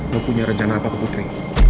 lo punya rencana apa ke putri